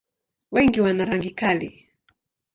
Wengi wana rangi kali.